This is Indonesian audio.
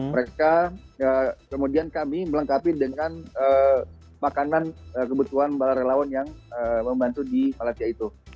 mereka kemudian kami melengkapi dengan makanan kebutuhan para relawan yang membantu di malaysia itu